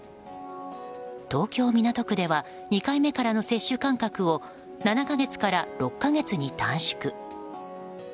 東京・港区では２回目からの接種間隔を７か月から６か月に短縮。